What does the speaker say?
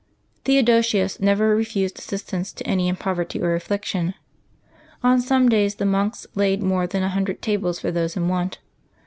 Theodosius never refused assistance to any in pov erty or affliction; on some days the monks laid more than a hundred tables for those in want.